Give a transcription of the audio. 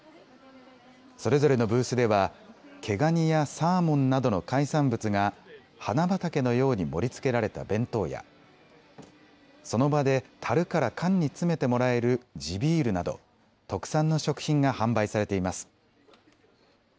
それぞれのブースでは毛ガニやサーモンなどの海産物が花畑のように盛りつけられた弁当や、その場でたるから缶に詰めてもらえる地ビールなど特産の食品が販売されています。